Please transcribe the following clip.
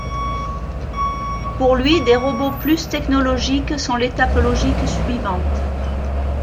Pour lui des robots plus technologiques sont l'étape logique suivante.